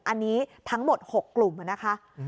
อันนี้ทั้งหมด๖กลุ่มนะคะ